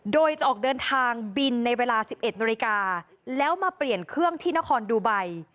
โดยจะออกเดินทางบินในเวลา๑๑นาฬิกาแล้วมาเปลี่ยนเครื่องที่นครดูไบ